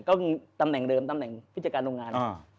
ก็ตำแหน่งเดิมตำแหน่งผู้จัดการโรงงาน